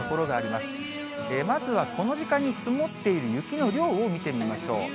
まずはこの時間に積もっている雪の量を見てみましょう。